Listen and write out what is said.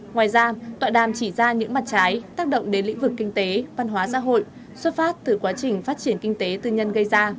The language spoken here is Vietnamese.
ngoài ra tọa đàm chỉ ra những mặt trái tác động đến lĩnh vực kinh tế văn hóa xã hội xuất phát từ quá trình phát triển kinh tế tư nhân gây ra